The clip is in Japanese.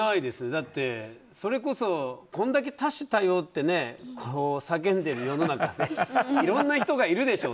だって、それこそこれだけ多種多様って叫んでいる世の中でいろんな人がいるでしょ。